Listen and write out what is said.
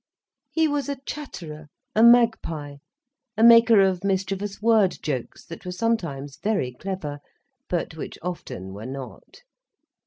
He was a chatterer, a magpie, a maker of mischievous word jokes, that were sometimes very clever, but which often were not.